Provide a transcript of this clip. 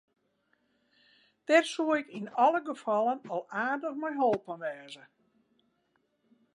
Dêr soe ik yn alle gefallen al aardich mei holpen wêze.